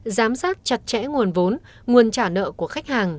giám sát chặt chẽ nguồn vốn nguồn trả nợ của khách hàng